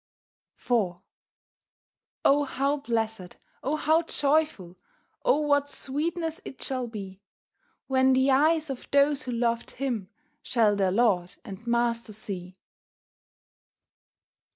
IV O how blessed! O how joyful! O what sweetness it shall be! When the eyes of those who loved Him Shall their Lord and Master see.